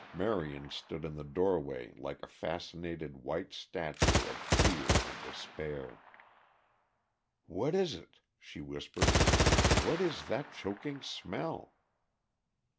Marion stood in the doorway like a fascinated white statue of fear and despair. "What is it?" she whispered. "What is that choking smell?"